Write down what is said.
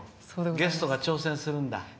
ゲストが挑戦するんだ。